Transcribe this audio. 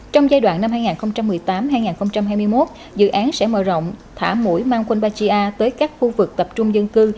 trong giai đoạn năm hai nghìn một mươi tám hai nghìn hai mươi một dự án sẽ mở rộng thả mũi mang quanbachia tới các khu vực tập trung dân cư